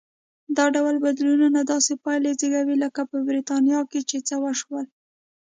دا ډول بدلونونه داسې پایلې زېږوي لکه په برېټانیا کې چې وشول.